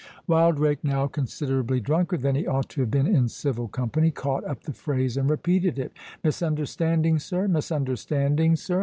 Wildrake, now considerably drunker than he ought to have been in civil company, caught up the phrase and repeated it:—"Misunderstanding, sir—Misunderstanding, sir?